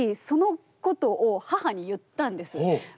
そのことを母に言ったんです。